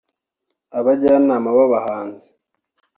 abajyanama b’abahanzi